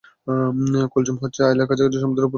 কুলযুম হচ্ছে আয়লার কাছাকাছি সমুদ্রের উপকূলবর্তী একটি গ্রাম।